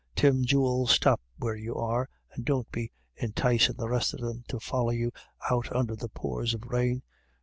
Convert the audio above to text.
Tim, jewel, stop where you are, and don't be inticin* the rest of them to folly you out under the pours of rain.